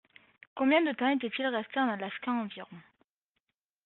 Combien de temps était-il resté en Alaska environ ?